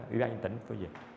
ủy ban cho tỉnh quý vị